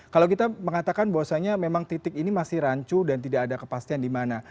kalau kita mengatakan bahwasannya memang titik ini masih rancu dan tidak ada kepastian di mana